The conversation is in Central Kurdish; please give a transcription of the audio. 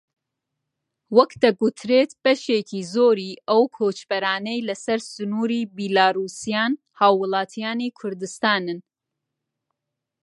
وەک دەگوترێت بەشێکی زۆری ئەو کۆچبەرانەی لەسەر سنووری بیلاڕووسیان هاوڵاتیانی کوردستانن